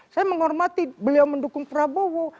saya menghormati beliau mendukung prabowo